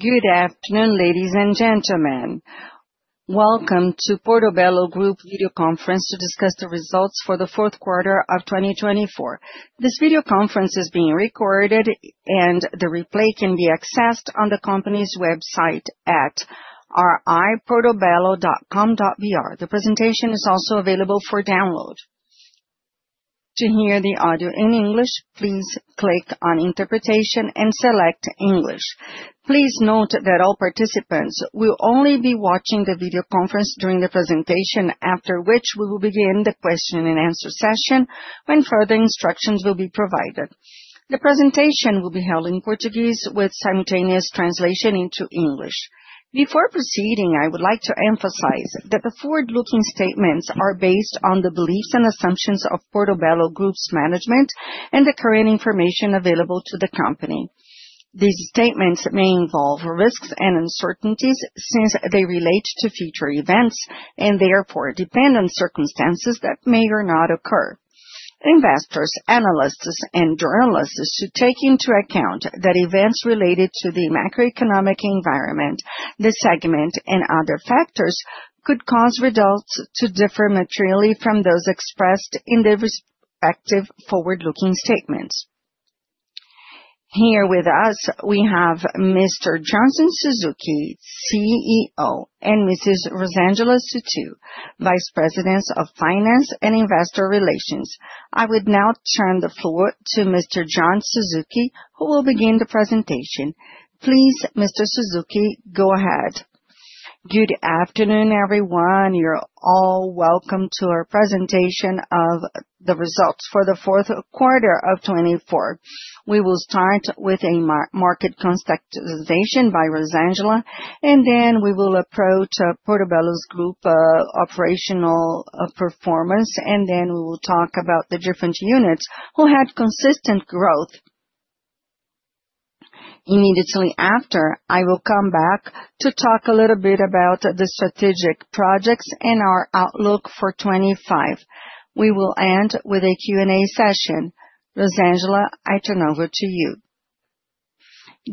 Good afternoon, ladies and gentlemen. Welcome to Portobello Group video conference to discuss the results for the fourth quarter of 2024. This video conference is being recorded, and the replay can be accessed on the company's website at ri.portobello.com.br. The presentation is also available for download. To hear the audio in English, please click on Interpretation and select English. Please note that all participants will only be watching the video conference during the presentation, after which we will begin the question-and-answer session when further instructions will be provided. The presentation will be held in Portuguese with simultaneous translation into English. Before proceeding, I would like to emphasize that the forward-looking statements are based on the beliefs and assumptions of Portobello Group's management and the current information available to the company. These statements may involve risks and uncertainties since they relate to future events and therefore depend on circumstances that may or may not occur. Investors, analysts, and journalists should take into account that events related to the macroeconomic environment, the segment, and other factors could cause results to differ materially from those expressed in the respective forward-looking statements. Here with us, we have Mr. John Suzuki, CEO, and Mrs. Rosângela Sutil, Vice President of Finance and Investor Relations. I would now turn the floor to Mr. John Suzuki, who will begin the presentation. Please, Mr. Suzuki, go ahead. Good afternoon, everyone. You're all welcome to our presentation of the results for the fourth quarter of 2024. We will start with a market contextualization by Rosângela, and then we will approach Portobello Group's operational performance, and then we will talk about the different units who had consistent growth. Immediately after, I will come back to talk a little bit about the strategic projects and our outlook for 2025. We will end with a Q&A session. Rosângela, I turn over to you.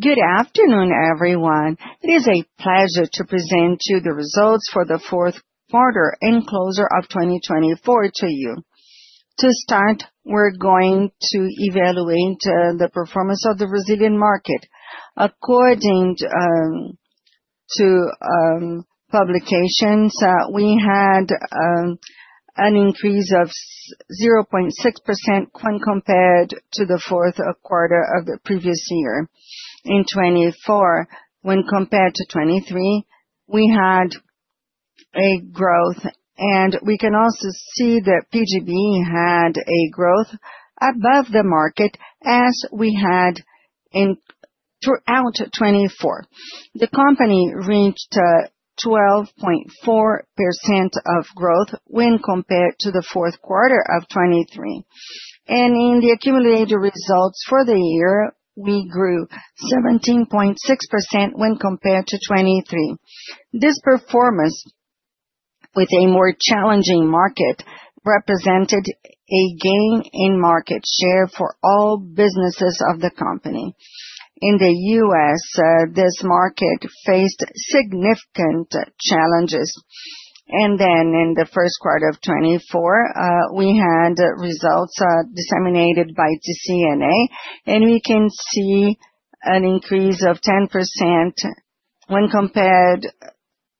Good afternoon, everyone. It is a pleasure to present to you the results for the fourth quarter and close of 2024 to you. To start, we're going to evaluate the performance of the Brazilian market. According to publications, we had an increase of 0.6% when compared to the fourth quarter of the previous year. In 2024, when compared to 2023, we had a growth, and we can also see that Portobello Group had a growth above the market as we had throughout 2024. The company reached 12.4% of growth when compared to the fourth quarter of 2023. In the accumulated results for the year, we grew 17.6% when compared to 2023. This performance, with a more challenging market, represented a gain in market share for all businesses of the company. In the U.S., this market faced significant challenges. In the first quarter of 2024, we had results disseminated by TCNA, and we can see an increase of 10% when compared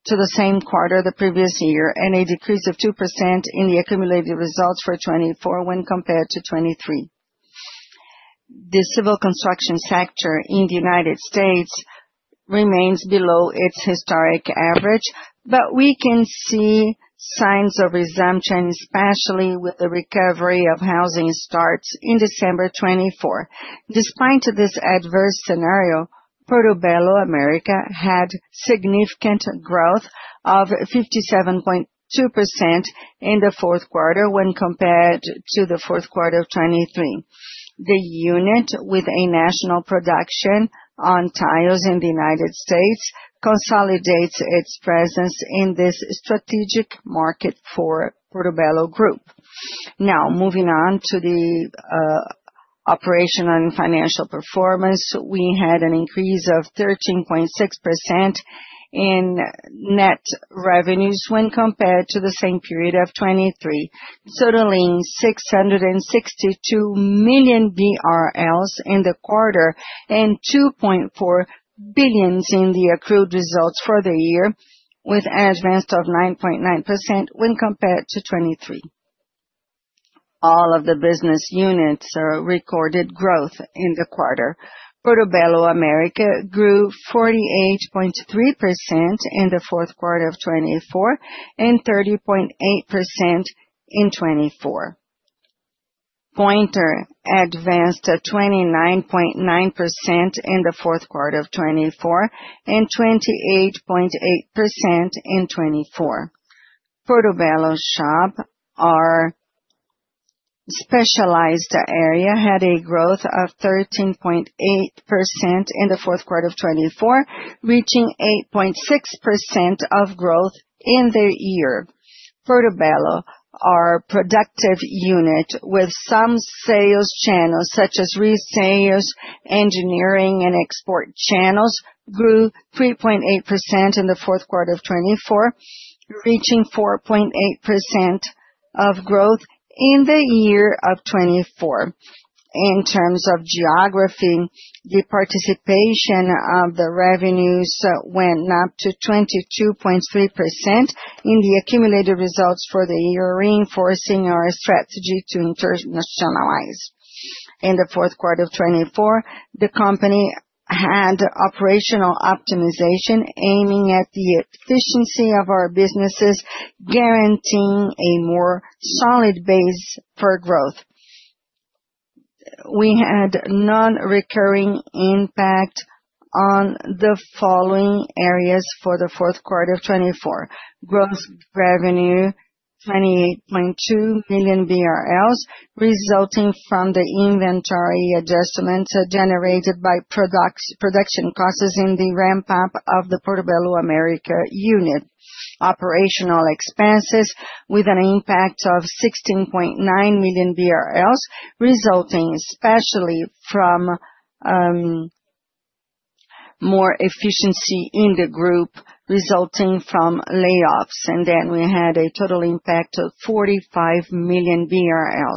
to the same quarter the previous year, and a decrease of 2% in the accumulated results for 2024 when compared to 2023. The civil construction sector in the United States remains below its historic average, but we can see signs of resumption, especially with the recovery of housing starts in December 2024. Despite this adverse scenario, Portobello America had significant growth of 57.2% in the fourth quarter when compared to the fourth quarter of 2023. The unit with a national production on tiles in the United States consolidates its presence in this strategic market for Portobello Group. Now, moving on to the operational and financial performance, we had an increase of 13.6% in net revenues when compared to the same period of 2023, totaling 662 million BRL in the quarter and 2.4 billion in the accrued results for the year, with an advance of 9.9% when compared to 2023. All of the business units recorded growth in the quarter. Portobello America grew 48.3% in the fourth quarter of 2024 and 30.8% in 2024. Pointer advanced 29.9% in the fourth quarter of 2024 and 28.8% in 2024. Portobello Shop, our specialized area, had a growth of 13.8% in the fourth quarter of 2024, reaching 8.6% of growth in the year. Portobello, our productive unit, with some sales channels such as resales, engineering, and export channels, grew 3.8% in the fourth quarter of 2024, reaching 4.8% of growth in the year of 2024. In terms of geography, the participation of the revenues went up to 22.3% in the accumulated results for the year, reinforcing our strategy to internationalize. In the fourth quarter of 2024, the company had operational optimization aiming at the efficiency of our businesses, guaranteeing a more solid base for growth. We had non-recurring impact on the following areas for the fourth quarter of 2024: gross revenue, 28.2 million BRL, resulting from the inventory adjustments generated by production costs in the ramp-up of the Portobello America unit; operational expenses with an impact of 16.9 million BRL, resulting especially from more efficiency in the group resulting from layoffs; and then we had a total impact of 45 million BRL.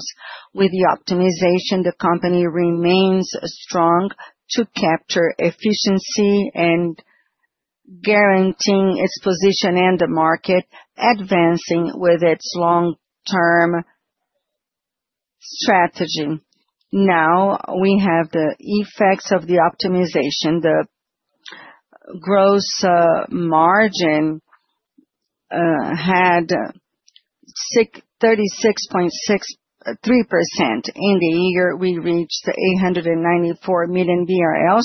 With the optimization, the company remains strong to capture efficiency and guarantee its position in the market, advancing with its long-term strategy. Now, we have the effects of the optimization. The gross margin had 36.3% in the year. We reached 894 million BRL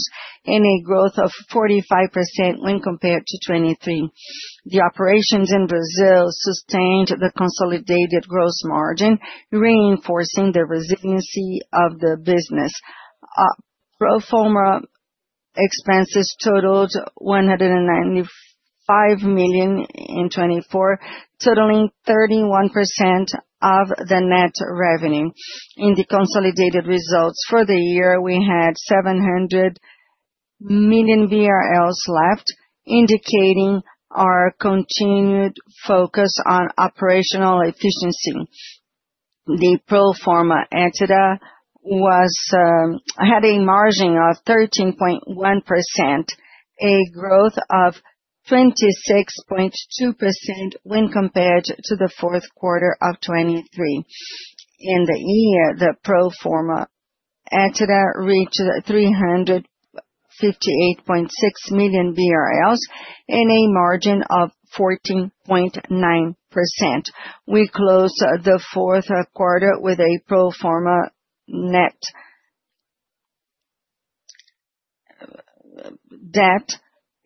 and a growth of 45% when compared to 2023. The operations in Brazil sustained the consolidated gross margin, reinforcing the resiliency of the business. Proforma expenses totaled 195 million in 2024, totaling 31% of the net revenue. In the consolidated results for the year, we had 700 million left, indicating our continued focus on operational efficiency. The Proforma EBITDA had a margin of 13.1%, a growth of 26.2% when compared to the fourth quarter of 2023. In the year, the Proforma EBITDA reached 358.6 million BRL and a margin of 14.9%. We closed the fourth quarter with a Proforma net debt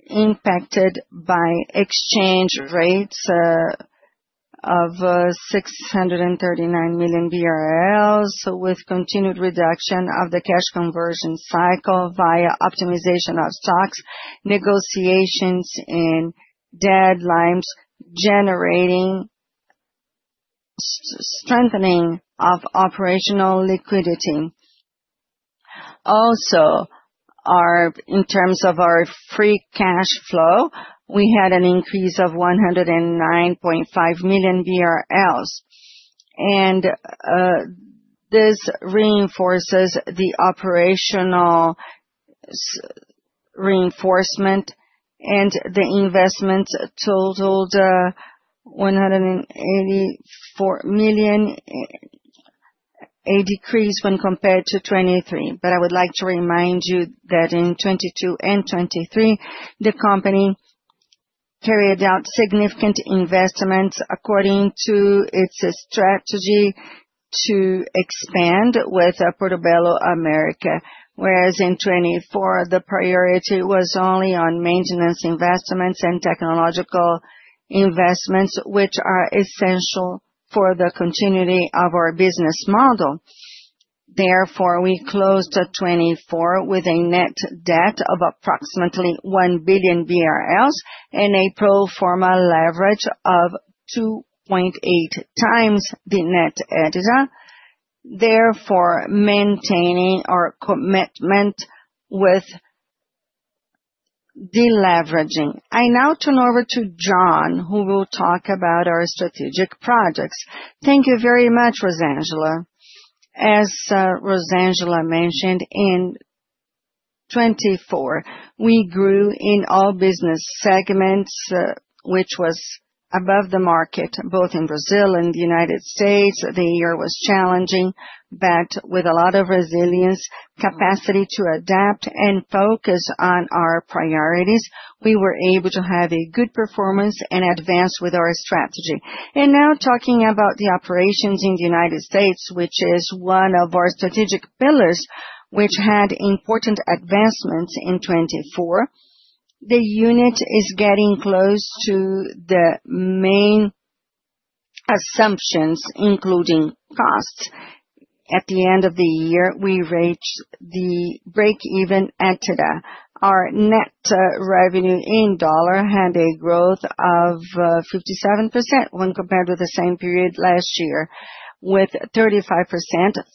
impacted by exchange rates of 639 million BRL, with continued reduction of the cash conversion cycle via optimization of stocks, negotiations, and deadlines, strengthening of operational liquidity. Also, in terms of our free cash flow, we had an increase of 109.5 million BRL, and this reinforces the operational reinforcement, and the investments totaled 184 million, a decrease when compared to 2023. I would like to remind you that in 2022 and 2023, the company carried out significant investments according to its strategy to expand with Portobello America, whereas in 2024, the priority was only on maintenance investments and technological investments, which are essential for the continuity of our business model. Therefore, we closed 2024 with a net debt of approximately 1 billion BRL and a proforma leverage of 2.8x the net EBITDA, therefore maintaining our commitment with deleveraging. I now turn over to John, who will talk about our strategic projects. Thank you very much, Rosângela. As Rosângela mentioned, in 2024, we grew in all business segments, which was above the market, both in Brazil and the U.S. The year was challenging, but with a lot of resilience, capacity to adapt, and focus on our priorities, we were able to have a good performance and advance with our strategy. Now talking about the operations in the U.S., which is one of our strategic pillars, which had important advancements in 2024, the unit is getting close to the main assumptions, including costs. At the end of the year, we reached the break-even EBITDA. Our net revenue in dollar had a growth of 57% when compared with the same period last year, with 35%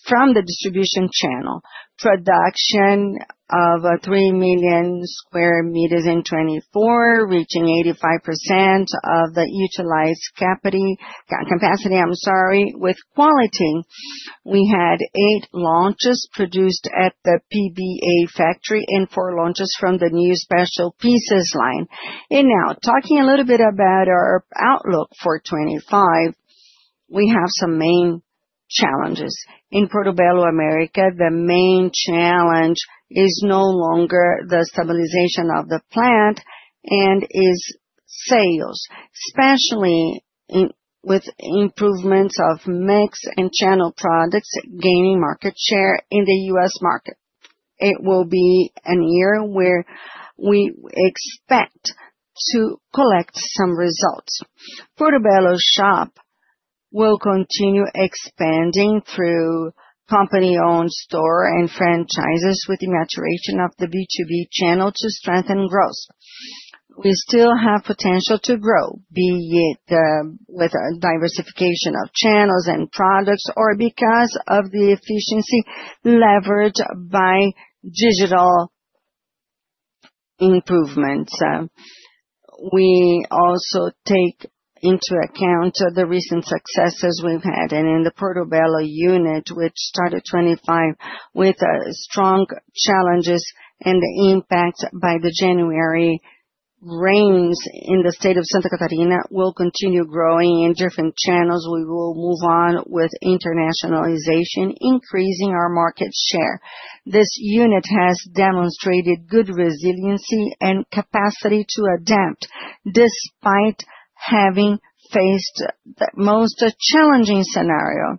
from the distribution channel. Production of 3 million sq m in 2024, reaching 85% of the utilized capacity, with quality. We had eight launches produced at the PBA factory and four launches from the new special pieces line. Now talking a little bit about our outlook for 2025, we have some main challenges. In Portobello America, the main challenge is no longer the stabilization of the plant and is sales, especially with improvements of mix and channel products gaining market share in the U.S. market. It will be a year where we expect to collect some results. Portobello Shop will continue expanding through company-owned store and franchises with the maturation of the B2B channel to strengthen growth. We still have potential to grow, be it with diversification of channels and products or because of the efficiency leveraged by digital improvements. We also take into account the recent successes we've had in the Portobello unit, which started 2025 with strong challenges and the impact by the January rains in the State of Santa Catarina. We will continue growing in different channels. We will move on with internationalization, increasing our market share. This unit has demonstrated good resiliency and capacity to adapt despite having faced the most challenging scenario.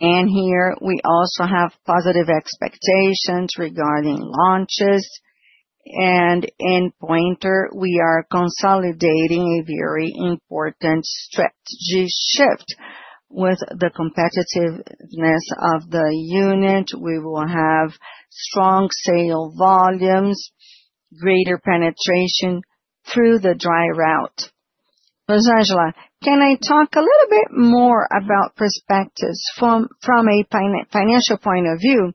Here we also have positive expectations regarding launches. In Pointer, we are consolidating a very important strategy shift. With the competitiveness of the unit, we will have strong sale volumes, greater penetration through the dry route. Rosângela, can I talk a little bit more about perspectives from a financial point of view?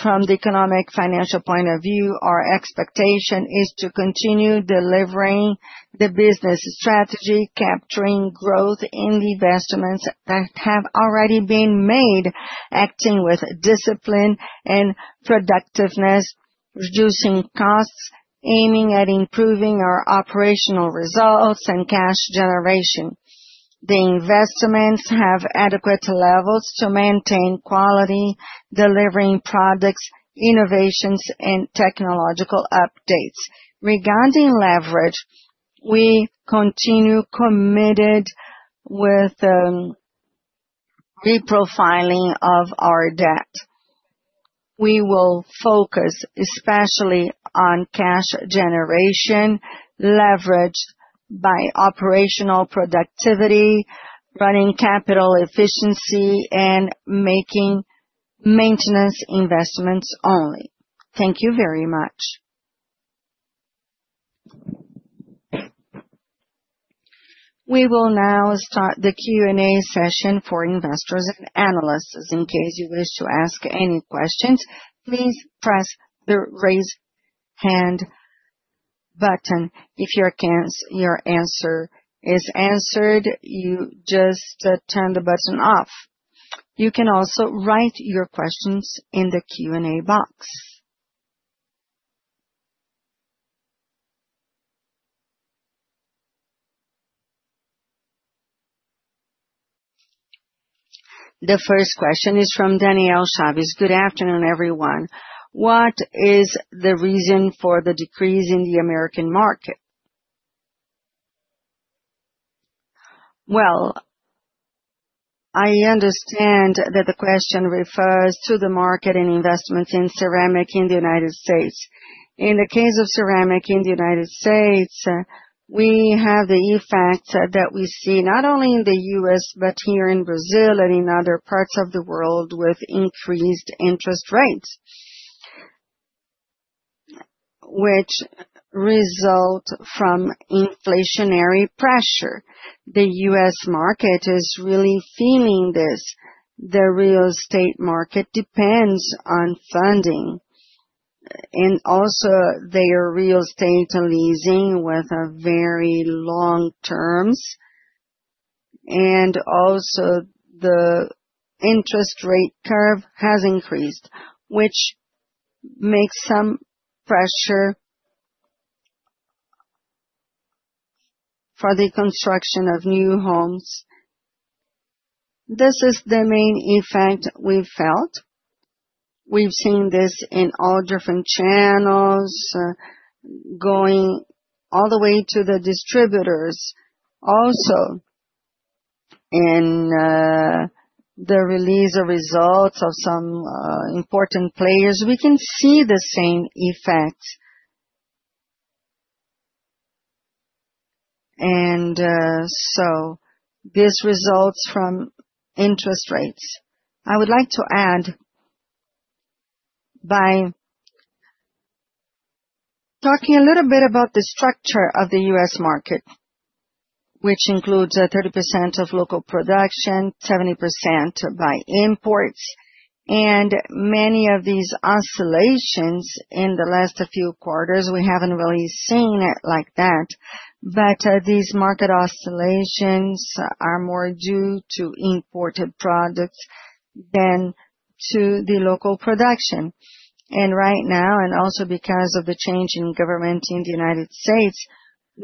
From the economic financial point of view, our expectation is to continue delivering the business strategy, capturing growth in the investments that have already been made, acting with discipline and productiveness, reducing costs, aiming at improving our operational results and cash generation. The investments have adequate levels to maintain quality, delivering products, innovations, and technological updates. Regarding leverage, we continue committed with reprofiling of our debt. We will focus especially on cash generation, leverage by operational productivity, running capital efficiency, and making maintenance investments only. Thank you very much. We will now start the Q&A session for investors and analysts. In case you wish to ask any questions, please press the raise hand button. If your answer is answered, you just turn the button off. You can also write your questions in the Q&A box. The first question is from Daniela Chaves. Good afternoon, everyone. What is the reason for the decrease in the American market? I understand that the question refers to the market and investments in ceramic in the United States. In the case of ceramic in the United States, we have the effect that we see not only in the U.S., but here in Brazil and in other parts of the world with increased interest rates, which result from inflationary pressure. The U.S. market is really feeling this. The real estate market depends on funding, and also their real estate leasing with very long terms. Also, the interest rate curve has increased, which makes some pressure for the construction of new homes. This is the main effect we felt. We've seen this in all different channels, going all the way to the distributors. Also, in the release of results of some important players, we can see the same effect. This results from interest rates. I would like to add by talking a little bit about the structure of the U.S. market, which includes 30% of local production, 70% by imports. Many of these oscillations in the last few quarters, we have not really seen it like that. These market oscillations are more due to imported products than to the local production. Right now, and also because of the change in government in the United States,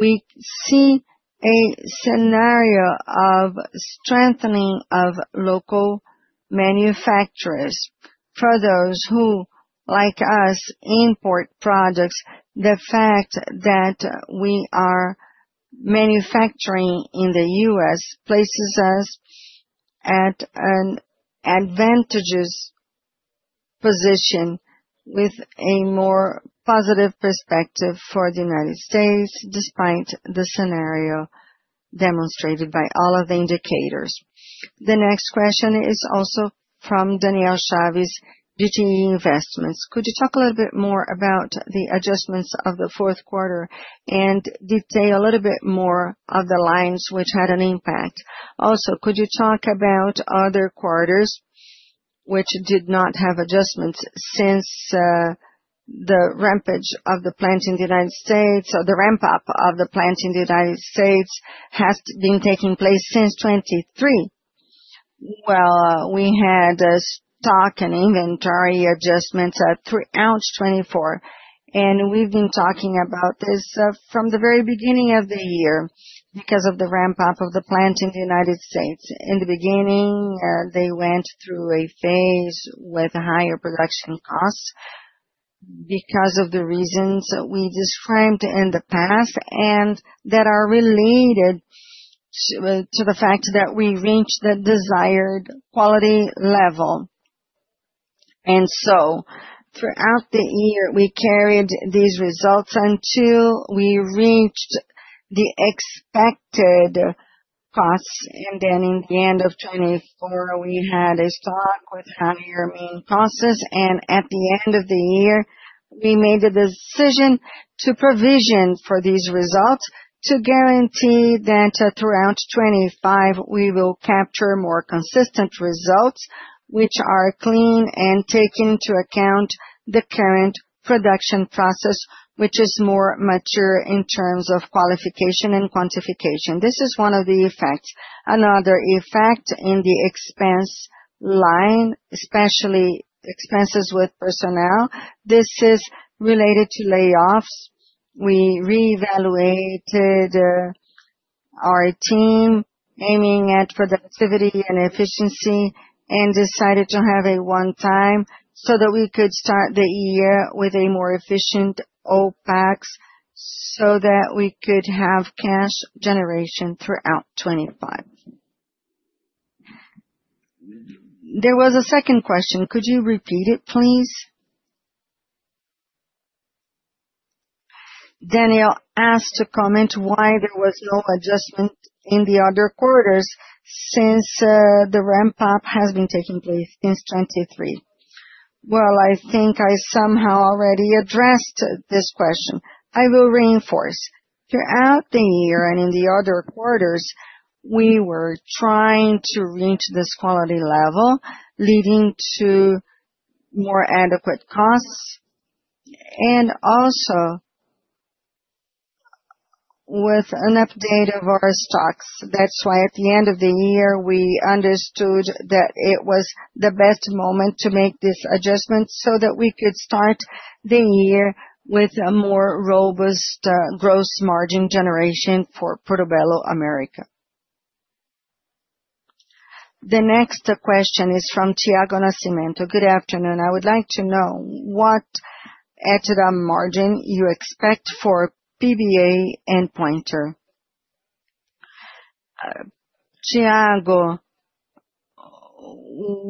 we see a scenario of strengthening of local manufacturers. For those who, like us, import products, the fact that we are manufacturing in the U.S. places us at an advantageous position with a more positive perspective for the United States, despite the scenario demonstrated by all of the indicators. The next question is also from Daniela Chaves, BTG Pactual. Could you talk a little bit more about the adjustments of the fourth quarter and detail a little bit more of the lines which had an impact? Also, could you talk about other quarters which did not have adjustments since the ramp-up of the plant in the United States, or the ramp-up of the plant in the United States has been taking place since 2023? We had stock and inventory adjustments throughout 2024, and we've been talking about this from the very beginning of the year because of the ramp-up of the plant in the United States. In the beginning, they went through a phase with higher production costs because of the reasons we described in the past and that are related to the fact that we reached the desired quality level. Throughout the year, we carried these results until we reached the expected costs. At the end of 2024, we had a stock with higher mean costs. At the end of the year, we made the decision to provision for these results to guarantee that throughout 2025, we will capture more consistent results, which are clean and take into account the current production process, which is more mature in terms of qualification and quantification. This is one of the effects. Another effect in the expense line, especially expenses with personnel, is related to layoffs. We reevaluated our team, aiming at productivity and efficiency, and decided to have a one-time so that we could start the year with a more efficient OpEx so that we could have cash generation throughout 2025. There was a second question. Could you repeat it, please? Danielle asked to comment why there was no adjustment in the other quarters since the ramp-up has been taking place since 2023. I think I somehow already addressed this question. I will reinforce. Throughout the year and in the other quarters, we were trying to reach this quality level, leading to more adequate costs, and also with an update of our stocks. That is why at the end of the year, we understood that it was the best moment to make this adjustment so that we could start the year with a more robust gross margin generation for Portobello America. The next question is from Tiago Nascimento. Good afternoon. I would like to know what EBITDA margin you expect for PBG and Pointer. Tiago,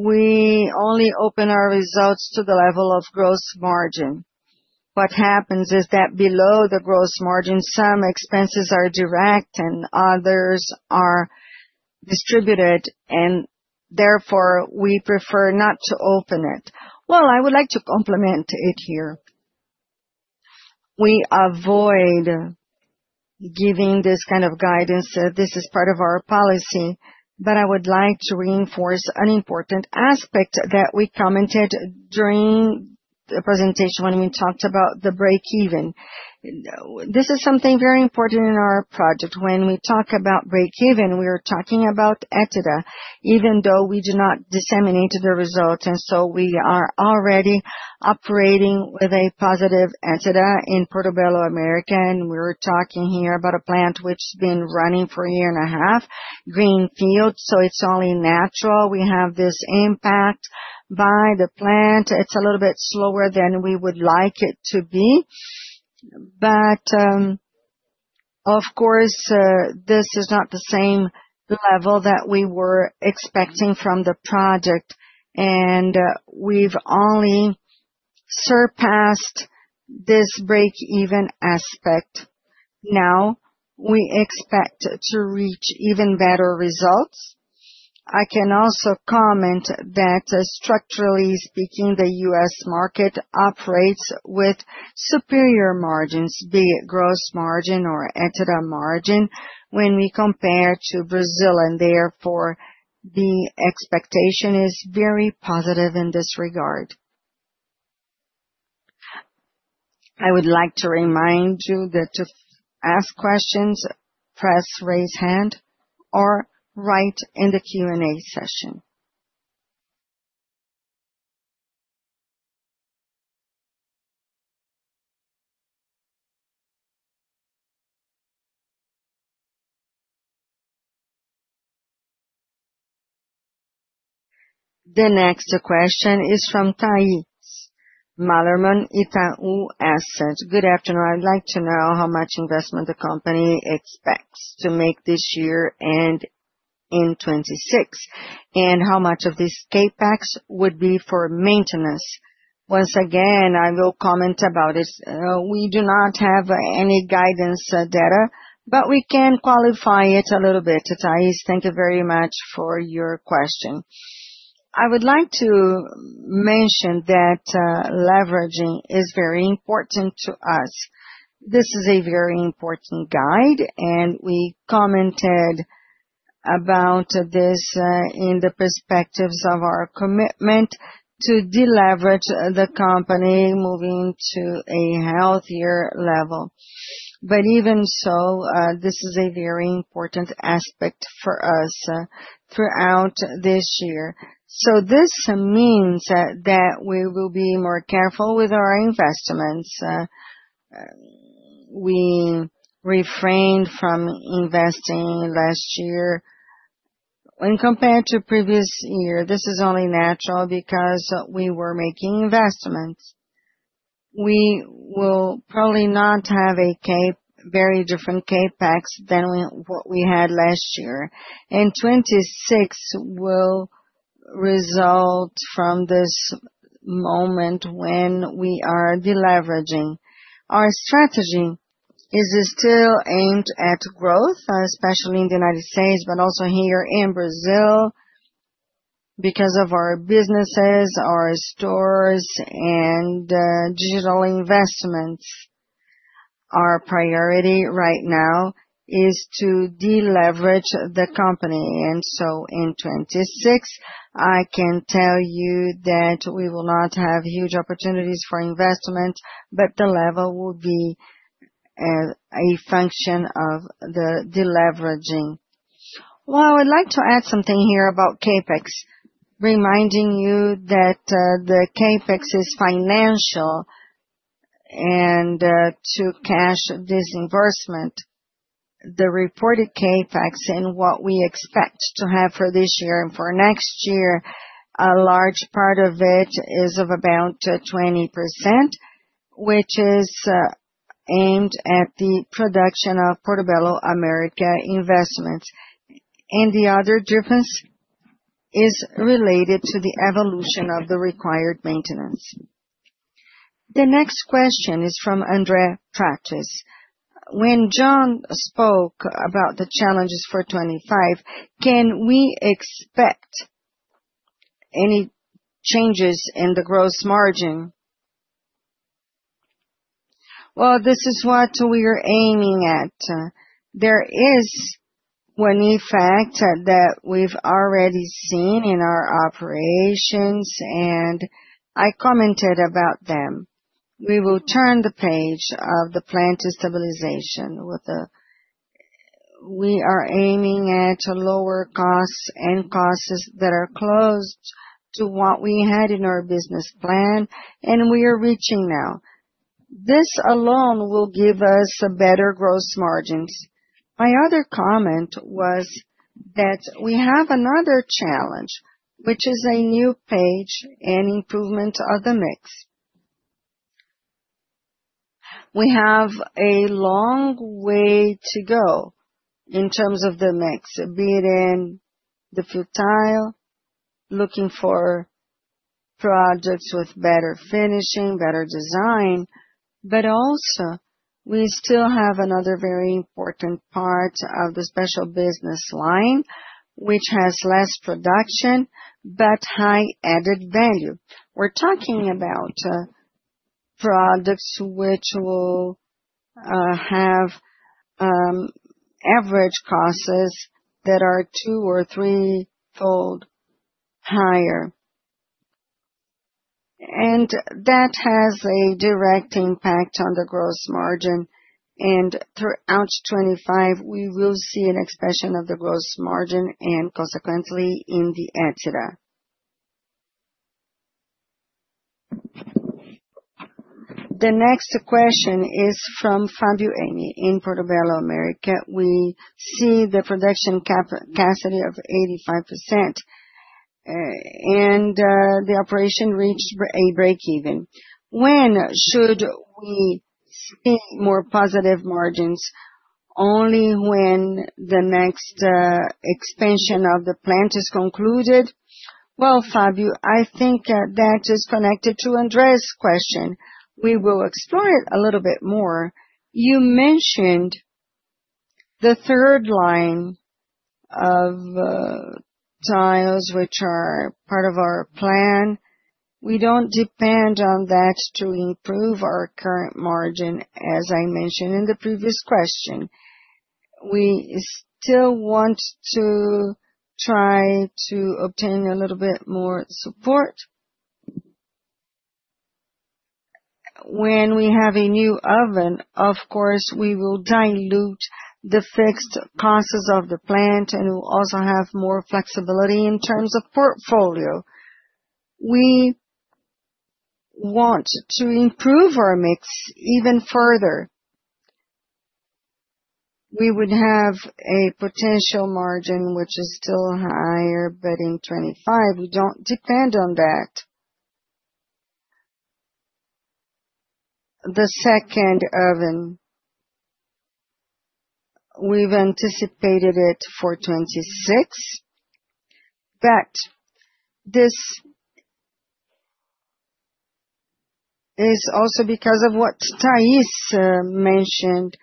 we only open our results to the level of gross margin. What happens is that below the gross margin, some expenses are direct and others are distributed, and therefore we prefer not to open it. I would like to complement it here. We avoid giving this kind of guidance. This is part of our policy, but I would like to reinforce an important aspect that we commented during the presentation when we talked about the break-even. This is something very important in our project. When we talk about break-even, we are talking about EBITDA, even though we do not disseminate the results. We are already operating with a positive EBITDA in Portobello America. We were talking here about a plant which has been running for a year and a half, Greenfield. It is only natural. We have this impact by the plant. It is a little bit slower than we would like it to be. Of course, this is not the same level that we were expecting from the project. We have only surpassed this break-even aspect. Now we expect to reach even better results. I can also comment that, structurally speaking, the U.S. market operates with superior margins, be it gross margin or EBITDA margin, when we compare to Brazil. Therefore, the expectation is very positive in this regard. I would like to remind you that to ask questions, press raise hand or write in the Q&A session. The next question is from Thaís Malerman, Itaú Asset. Good afternoon. I would like to know how much investment the company expects to make this year and in 2026, and how much of these CapEx would be for maintenance. Once again, I will comment about it. We do not have any guidance data, but we can qualify it a little bit. Thaís, thank you very much for your question. I would like to mention that leverage is very important to us. This is a very important guide, and we commented about this in the perspectives of our commitment to deleverage the company moving to a healthier level. Even so, this is a very important aspect for us throughout this year. This means that we will be more careful with our investments. We refrained from investing last year. When compared to the previous year, this is only natural because we were making investments. We will probably not have a very different CapEx than what we had last year. 2026 will result from this moment when we are deleveraging. Our strategy is still aimed at growth, especially in the United States, but also here in Brazil because of our businesses, our stores, and digital investments. Our priority right now is to deleverage the company. In 2026, I can tell you that we will not have huge opportunities for investment, but the level will be a function of the deleveraging. I would like to add something here about CapEx, reminding you that the CapEx is financial, and to cash this investment, the reported CapEx and what we expect to have for this year and for next year, a large part of it is of about 20%, which is aimed at the production of Portobello America investments. The other difference is related to the evolution of the required maintenance. The next question is from Andrea Prates. When John spoke about the challenges for 2025, can we expect any changes in the gross margin? This is what we are aiming at. There is one effect that we've already seen in our operations, and I commented about them. We will turn the page of the plant stabilization with the we are aiming at lower costs and costs that are close to what we had in our business plan, and we are reaching now. This alone will give us better gross margins. My other comment was that we have another challenge, which is a new page and improvement of the mix. We have a long way to go in terms of the mix, be it in the field tile, looking for projects with better finishing, better design. Also, we still have another very important part of the special business line, which has less production but high added value. We're talking about products which will have average costs that are two or threefold higher. That has a direct impact on the gross margin. Throughout 2025, we will see an expansion of the gross margin and consequently in the EBITDA. The next question is from Fabio Amy in Portobello America. We see the production capacity of 85%, and the operation reached a break-even. When should we see more positive margins? Only when the next expansion of the plant is concluded. Fabio, I think that is connected to Andrea's question. We will explore it a little bit more. You mentioned the third line of tiles, which are part of our plan. We do not depend on that to improve our current margin, as I mentioned in the previous question. We still want to try to obtain a little bit more support. When we have a new oven, of course, we will dilute the fixed costs of the plant, and we will also have more flexibility in terms of portfolio. We want to improve our mix even further. We would have a potential margin which is still higher, but in 2025, we do not depend on that. The second oven, we have anticipated it for 2026, but this is also because of what Thaís mentioned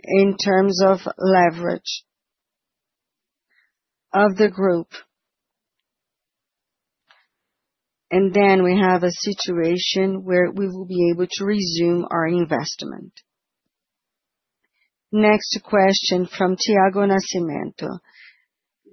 in terms of leverage of the group. We have a situation where we will be able to resume our investment. Next question from Tiago Nascimento.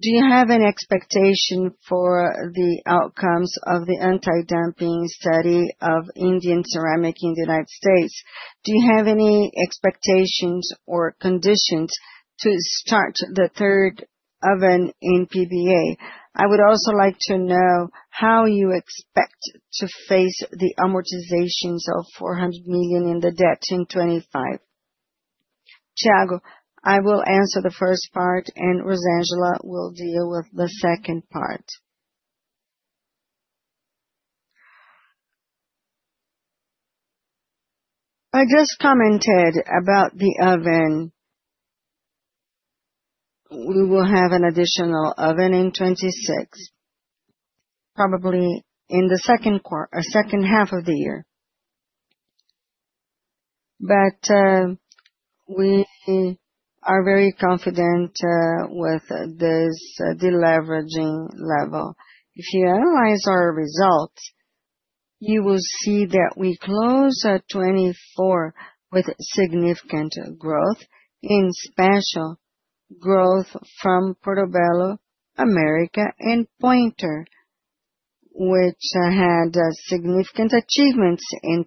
Do you have an expectation for the outcomes of the anti-dumping study of Indian ceramic in the United States? Do you have any expectations or conditions to start the third oven in PBG? I would also like to know how you expect to face the amortizations of 400 million in the debt in 2025. Tiago, I will answer the first part, and Rosângela will deal with the second part. I just commented about the oven. We will have an additional oven in 2026, probably in the second half of the year. We are very confident with this deleveraging level. If you analyze our results, you will see that we close at 2024 with significant growth, in special growth from Portobello America and Pointer, which had significant achievements in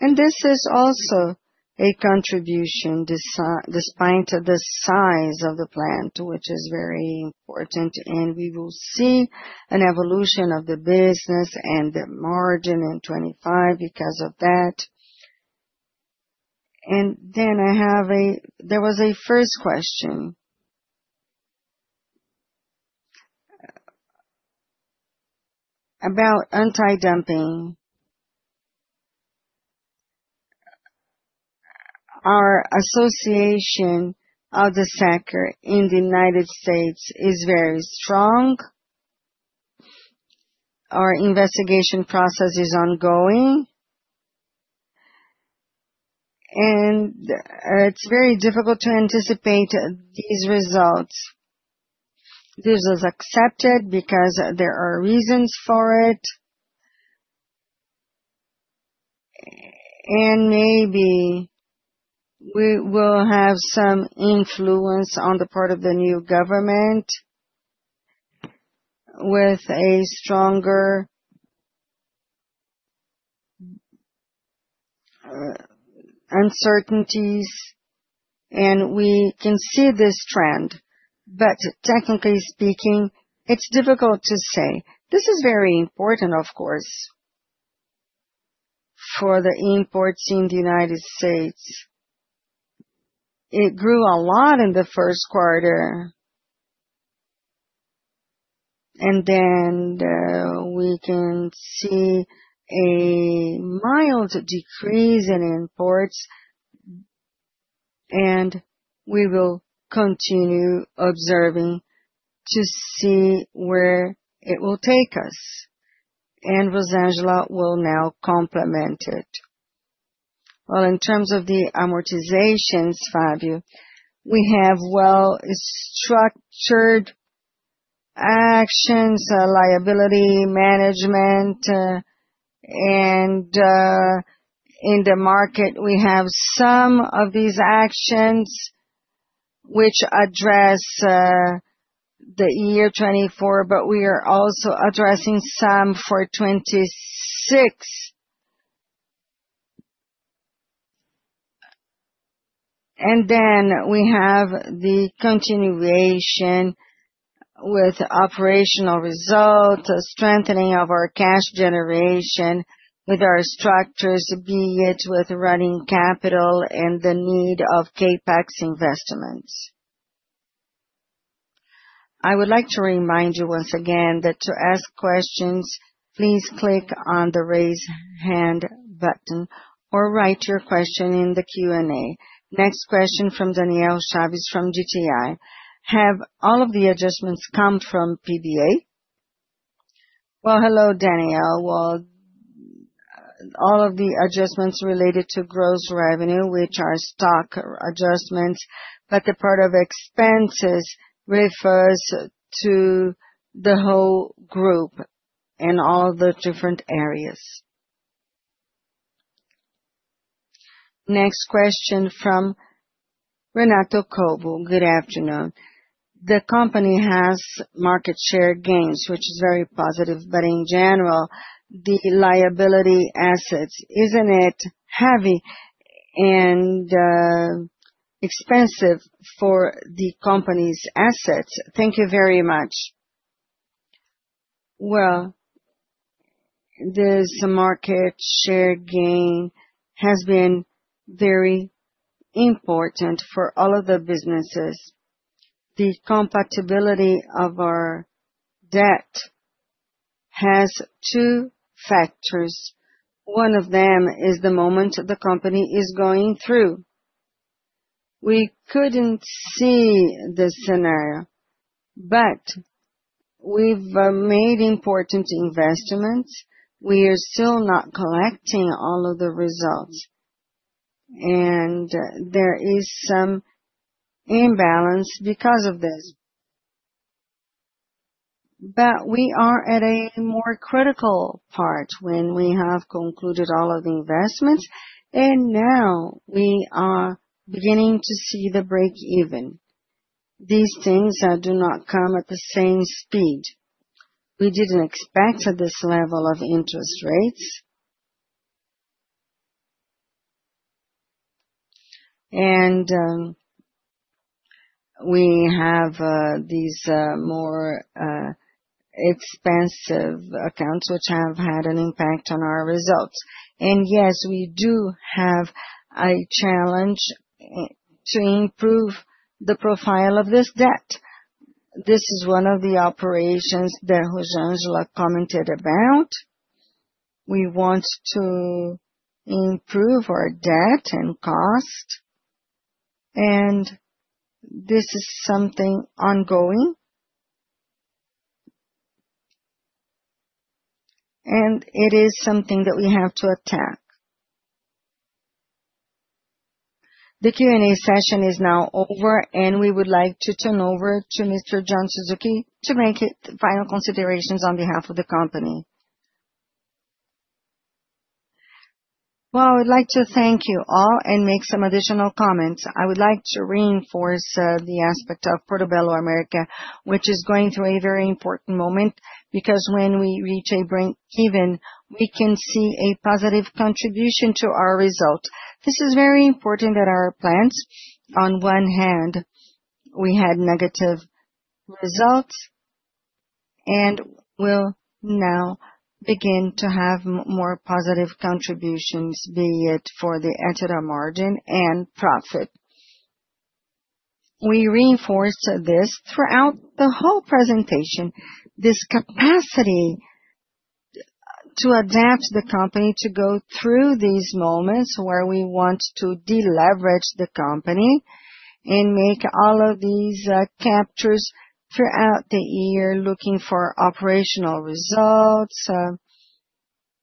2024. This is also a contribution despite the size of the plant, which is very important. We will see an evolution of the business and the margin in 2025 because of that. I have a there was a first question about anti-dumping. Our association of the sector in the United States is very strong. Our investigation process is ongoing. It is very difficult to anticipate these results. This was accepted because there are reasons for it. Maybe we will have some influence on the part of the new government with stronger uncertainties. We can see this trend. Technically speaking, it is difficult to say. This is very important, of course, for the imports in the U.S. It grew a lot in the first quarter. We can see a mild decrease in imports. We will continue observing to see where it will take us. Rosângela will now complement it. In terms of the amortizations, Fabio, we have well-structured actions, liability management. In the market, we have some of these actions which address the year 2024, but we are also addressing some for 2026. We have the continuation with operational results, strengthening of our cash generation with our structures, be it with running capital and the need of CapEx investments. I would like to remind you once again that to ask questions, please click on the raise hand button or write your question in the Q&A. Next question from Daniela Chaves from GTI. Have all of the adjustments come from PBA? Hello, Danielle. All of the adjustments related to gross revenue, which are stock adjustments, but the part of expenses refers to the whole group in all of the different areas. Next question from Renato Cobo. Good afternoon. The company has market share gains, which is very positive, but in general, the liability assets, is not it heavy and expensive for the company's assets? Thank you very much. This market share gain has been very important for all of the businesses. The compatibility of our debt has two factors. One of them is the moment the company is going through. We could not see this scenario, but we have made important investments. We are still not collecting all of the results. There is some imbalance because of this. We are at a more critical part when we have concluded all of the investments. Now we are beginning to see the break-even. These things do not come at the same speed. We did not expect this level of interest rates. We have these more expensive accounts which have had an impact on our results. Yes, we do have a challenge to improve the profile of this debt. This is one of the operations that Rosângela commented about. We want to improve our debt and cost. This is something ongoing. It is something that we have to attack. The Q&A session is now over, and we would like to turn over to Mr. I would like to thank you all and make some additional comments. I would like to reinforce the aspect of Portobello America, which is going through a very important moment because when we reach break-even, we can see a positive contribution to our result. This is very important that our plans, on one hand, we had negative results, and we'll now begin to have more positive contributions, be it for the EBITDA margin and profit. We reinforced this throughout the whole presentation, this capacity to adapt the company to go through these moments where we want to deleverage the company and make all of these captures throughout the year, looking for operational results,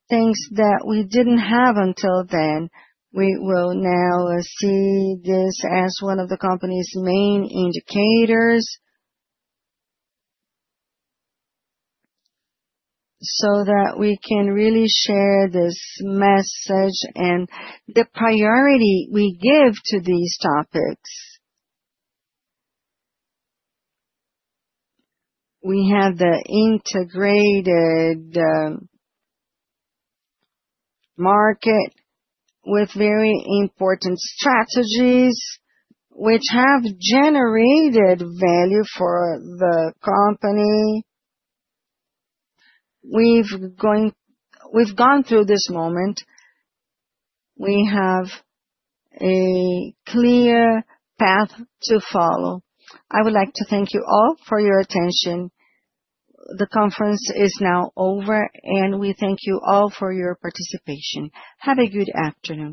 things that we did not have until then. We will now see this as one of the company's main indicators so that we can really share this message and the priority we give to these topics. We have the integrated market with very important strategies which have generated value for the company. We've gone through this moment. We have a clear path to follow. I would like to thank you all for your attention. The conference is now over, and we thank you all for your participation. Have a good afternoon.